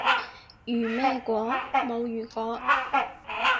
如咩果？冇如果